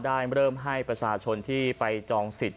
ได้เริ่มให้ประชาชนที่ไปจองสิทธิ์หญิง